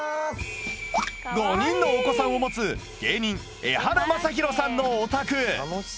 ５人のお子さんを持つ芸人エハラマサヒロさんのお宅。